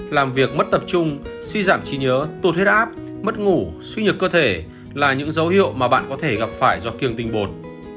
làm việc mất tập trung suy giảm trí nhớ tụt huyết áp mất ngủ suy nhược cơ thể là những dấu hiệu mà bạn có thể gặp phải do kiềng tinh bột